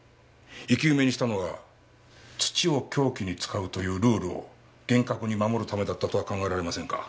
生き埋めにしたのは土を凶器に使うというルールを厳格に守るためだったとは考えられませんか？